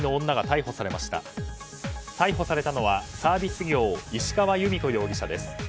逮捕されたのはサービス業石川由美子容疑者です。